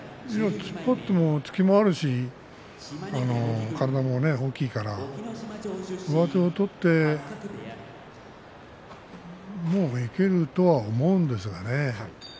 突っ張っても突きもあるし体も大きいから上手を取ってもいけると思うんですけれどね。